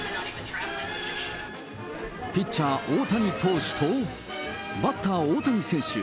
ピッチャー、大谷投手と、バッター、大谷選手。